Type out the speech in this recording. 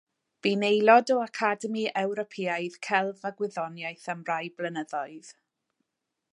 Bu'n aelod o Academi Ewropeaidd Celf a Gwyddoniaeth am rai blynyddoedd.